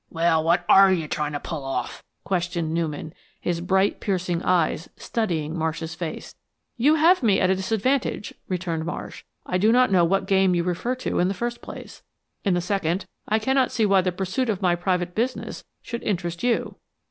"Well, what ARE you tryin' to pull off?" questioned Newman, his bright, piercing eyes studying Marsh's face. "You have me at a disadvantage," returned Marsh. "I do not know what game you refer to in the first place. In the second, I cannot see why the pursuit of my private business should interest you."